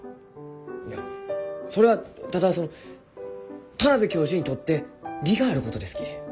いやそれはただその田邊教授にとって利があることですき。